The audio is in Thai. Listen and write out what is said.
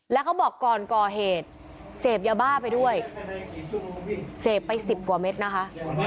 แล้วเขาบอกก่อนก่อเหตุเสพยาบ้าไปด้วยเสพไปสิบกว่าเม็ดนะคะ